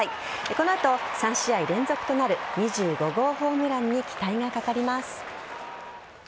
この後、３試合連続となる２５号ホームランに期待がかかります。